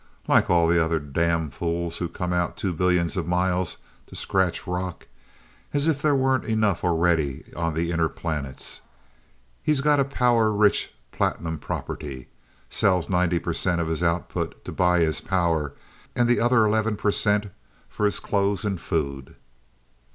"Like all the other damn fools who come out two billion miles to scratch rock, as if there weren't enough already on the inner planets. He's got a rich platinum property. Sells ninety percent of his output to buy his power, and the other eleven percent for his clothes and food."